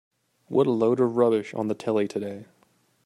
What a load of rubbish on the telly today.